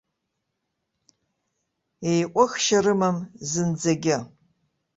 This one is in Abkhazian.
Еиҟәыхшьа рымам зынӡагьы!